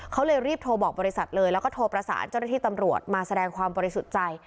เขาเลยรีบโทรบอกบริษัทเลยแล้วก็โทรประสานเจ้าหน้าที่ตำรวจมาแสดงความบริสุทธิ์ใจ